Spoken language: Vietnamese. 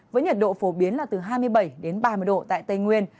với nhiệt độ phổ biến là từ hai mươi bảy đến ba mươi độ tại tây nguyên